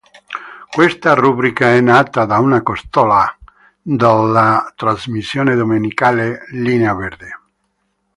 Questa rubrica è nata da una costola della trasmissione domenicale "Linea verde".